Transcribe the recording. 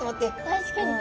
確かに。